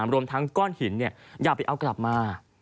หยุดพฤติกรรมทั้งก้อนหินเนี่ยอย่าไปเอากลับมา